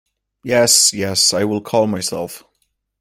Yes, yes, I will calm myself.